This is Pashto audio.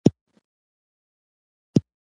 هیلۍ د شاتګ پر ځای مخکې تګ خوښوي